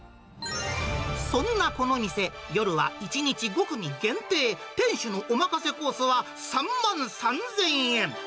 そんなこの店、夜は１日５組限定、店主のおまかせコースは３万３０００円。